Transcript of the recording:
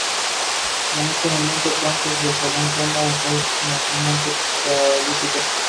Nadie pudo llegar a saber del infierno de dolor y abatimiento que lo aquejaba.